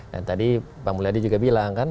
dan tadi bang mulyadi juga bilang